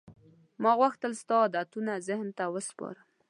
ما غوښتل ستا عادتونه ذهن ته وسپارم.